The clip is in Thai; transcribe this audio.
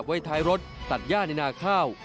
ไว้ท้ายรถตัดย่าในนาข้าว